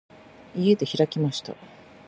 家で開きました。